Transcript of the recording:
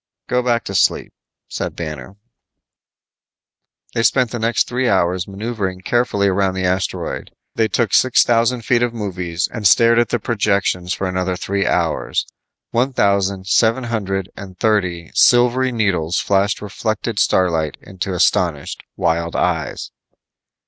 "Go back to sleep," said Banner. They spent the next three hours maneuvering carefully around the asteroid. They took six thousand feet of movies and stared at the projections for another three hours. One thousand seven hundred and thirty silvery needles flashed reflected starlight into astonished, wild eyes.